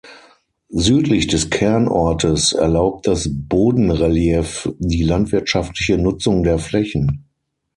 Südlich des Kernortes erlaubt das Bodenrelief die landwirtschaftliche Nutzung der Flächen.